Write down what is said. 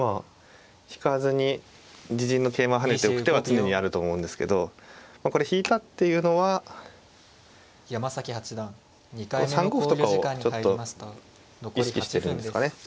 引かずに自陣の桂馬を跳ねておく手は常にあると思うんですけどこれ引いたっていうのは３五歩とかをちょっと意識してるんですかね。